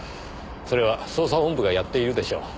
それは捜査本部がやっているでしょう。